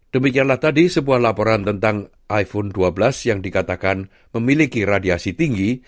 demikianlah tadi sebuah laporan tentang iphone dua belas yang dikatakan memiliki radiasi tinggi